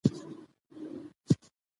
یاقوت د افغانستان په طبیعت کې مهم رول لري.